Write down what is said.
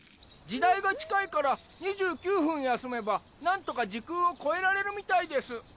時代が近いから２９分休めばなんとか時空を越えられるみたいです。